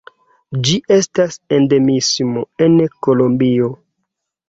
Ĝi estas endemismo en Kolombio.